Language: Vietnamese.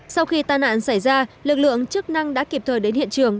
sau khi tàn nạn xảy ra lực lượng chức năng đã kịp thời đến hiện trường